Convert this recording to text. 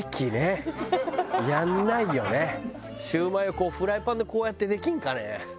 シュウマイをこうフライパンでこうやってできんかね？